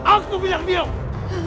aku bilang diam